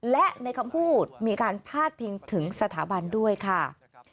และในคำพูดมีการพาดพิงถึงสถาบันด้วยค่ะ